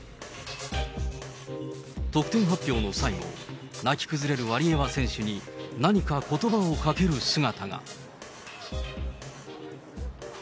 得点発表の際も、泣き崩れるワリエワ選手に何か、ことばをかける姿が。